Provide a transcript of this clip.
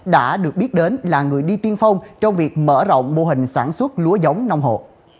đã được biết đến là người đi tiên phong trong việc mở rộng mô hình sản xuất lúa giống nông hộ